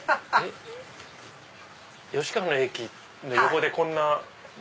⁉吉川の駅の横でこんなな